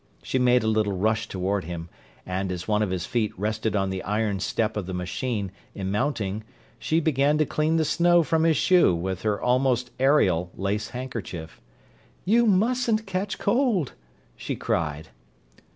She made a little rush toward him, and, as one of his feet rested on the iron step of the machine, in mounting, she began to clean the snow from his shoe with her almost aerial lace handkerchief. "You mustn't catch cold!" she cried.